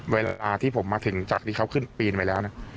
เวลาที่ผมมาถึงจากที่เขาขึ้นปีนไปแล้วนะ